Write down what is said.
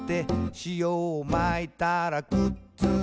「しおをまいたらくっついた」